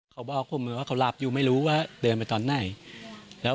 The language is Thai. เขาบอกผมมือว่าเขาหลับอยู่ไม่รู้ว่าเดินไปตอนไหนแล้ว